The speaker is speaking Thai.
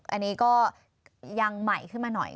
อันนี้ก็ยังใหม่ขึ้นมาหน่อย